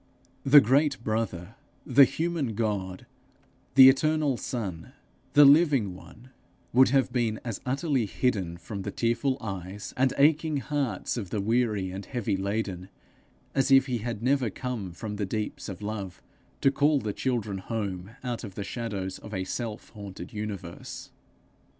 The great brother, the human God, the eternal Son, the living one, would have been as utterly hidden from the tearful eyes and aching hearts of the weary and heavy laden, as if he had never come from the deeps of love to call the children home out of the shadows of a self haunted universe.